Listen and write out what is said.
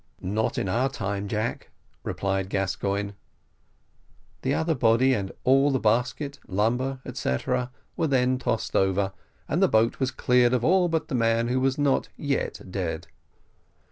"Not in our time, Jack," replied Gascoigne. The other body, and all the basket lumber, etcetera, were then tossed over, and the boat was cleared of all but the man who was not yet dead.